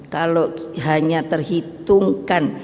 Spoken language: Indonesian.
kalau hanya terhitungkan